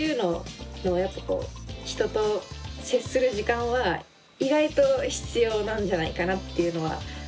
人と接する時間は意外と必要なんじゃないかなっていうのは確かに思いました。